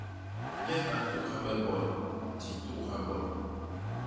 Nyen a ntugha me bol; di ntugha bol.